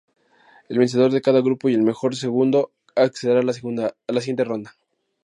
El vencedor de cada grupo y el mejor segundo accederán a la siguiente ronda.